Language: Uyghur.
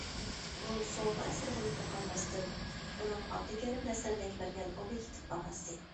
بۇ سوۋغا ئەسىرى بولۇپلا قالماستىن، ئۇنىڭ ئابدۇكېرىم نەسىردىنگە بەرگەن ئوبيېكتىپ باھاسى.